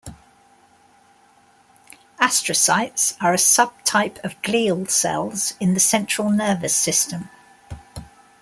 Astrocytes are a sub-type of glial cells in the central nervous system.